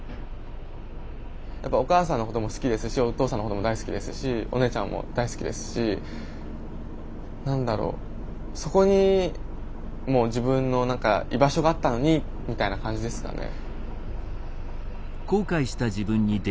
やっぱお母さんのことも好きですしお父さんのことも大好きですしお姉ちゃんも大好きですし何だろうそこに自分の居場所があったのにみたいな感じですかね。